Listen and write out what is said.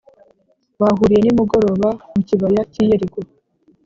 Bahuriye nimugoroba mu kibaya cy’ i Yeriko